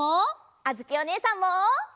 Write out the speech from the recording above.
あづきおねえさんも。